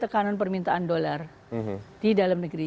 jadi itu adalah permintaan dolar di dalam negeri